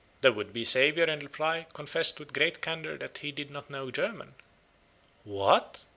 The would be Saviour in reply confessed with great candour that he did not know German. "What!"